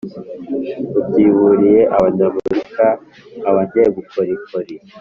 ubyiruye abanyamuzika, abanyabukorikori,